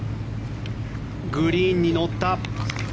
グリーンに乗った。